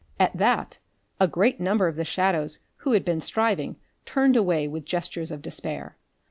At that a great number of the shadows who had been striving turned away with gestures of despair.